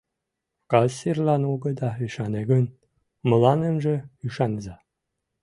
Кассирлан огыда ӱшане гын, мыланемже ӱшаныза.